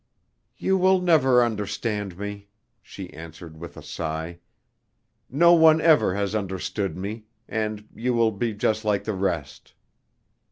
"You will never understand me," she answered with a sigh, "No one ever has understood me, and you will be just like the rest!"